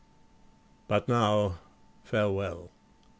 But now farewell.